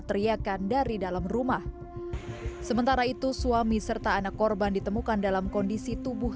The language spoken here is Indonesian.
teriakan dari dalam rumah sementara itu suami serta anak korban ditemukan dalam kondisi tubuh